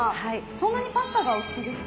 そんなにパスタがお好きですか？